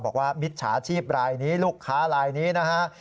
บอกว่ามิจฉาชีพลายนี้ลูกค้าลายนี้นะฮะ